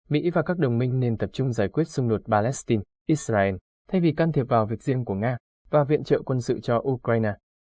mỹ và các đồng minh nên tập trung giải quyết xung đột palestine israel thay vì can thiệp vào việc riêng của nga và viện trợ quân sự cho ukraine